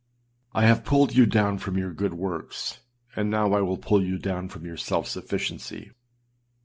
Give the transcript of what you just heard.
I have pulled you down from your good works, and now I will pull you down from your self sufficiency.